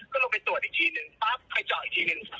ก็ลงไปตรวจอีกทีนึงไปจอดอีกทีนึง